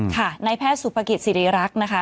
ในแพทย์สุภกิจสิริรักษ์นะคะ